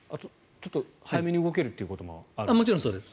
早めに動けるということもあるんですか？